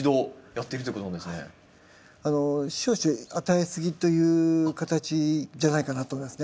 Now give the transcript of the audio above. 少々与えすぎという形じゃないかなと思いますね。